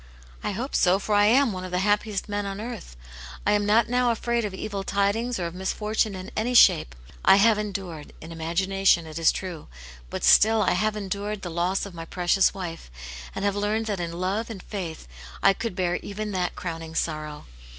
" I hope so, for I am one of the happiest men on earth. I am not now afraid of evil tidings or of mis fortune in any shape. I have endured, in imagination, it is true, but still I have endured, the loss of my precious wi/C; and have leattvcd IV^X. vcvVom^ a^wi Ca.ith A tint Jane's Hero. 201 I coi'.ld bear even that crowning sorrow.